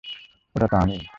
ওটা তো আমিই।